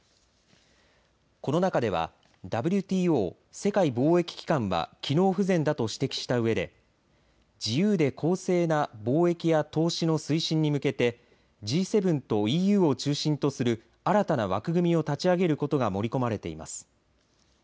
この中では、ＷＴＯ世界貿易機関は機能不全だと指摘したうえで自由で公正な貿易や投資の推進に向けてＧ７とＥＵを中心とする新たな枠組みを立ち上げることが盛り込まれています。